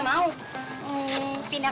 kamu tuh anak pintar